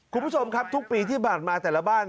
คุณผู้ชมครับทุกปีที่ผ่านมาแต่ละบ้าน